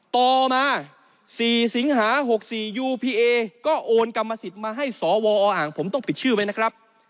ต่อมา๔สิงหา๖๔ยูพีเอก็โอนกรรมสิทธิ์มาให้สวออ่างผมต้องปิดชื่อไว้นะครับ